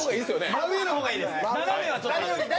真上の方がいいです。